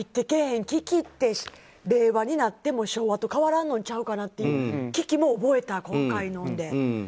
そういう危機って令和になっても昭和と変わらんのちゃうかなっていう危機も覚えた、今回ので。